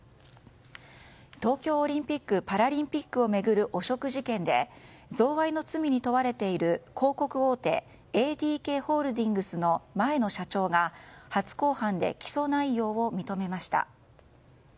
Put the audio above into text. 東京オリンピック・パラリンピックを巡る汚職事件で贈賄の罪に問われている広告大手ＡＤＫホールディングスの前の社長が初公判で起訴内容を認めました。